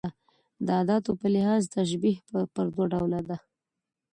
د اداتو په لحاظ تشبېه پر دوه ډوله ده.